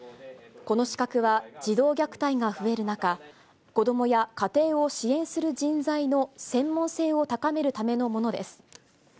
この資格は、児童虐待が増える中、子どもや家庭を支援する人材の専門性を高めるためのものです。